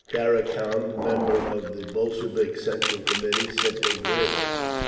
Karakhan, member of the Bolshevik Central Committee, simply grinned.